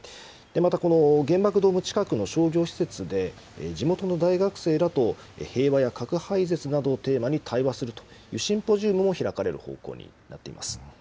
また原爆ドーム近くの商業施設で地元の大学生らと平和や核廃絶などをテーマに対話するというシンポジウムも開かれる方向になっています。